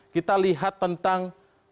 kita lihat tentang